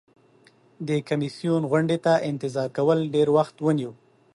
د کمیسیون غونډې ته انتظار کول ډیر وخت ونیو.